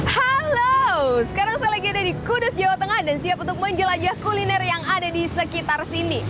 halo sekarang saya lagi ada di kudus jawa tengah dan siap untuk menjelajah kuliner yang ada di sekitar sini